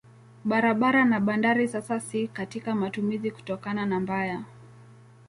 Barabara na bandari sasa si katika matumizi kutokana na mbaya.